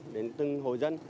đến từng hồ dân